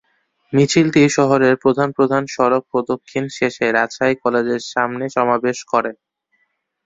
মিছিলটি শহরের প্রধান প্রধান সড়ক প্রদক্ষিণ শেষে রাজশাহী কলেজের সামনে সমাবেশ করে।